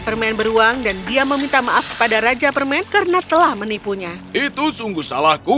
permen beruang dan dia meminta maaf kepada raja permen karena telah menipunya itu sungguh salahku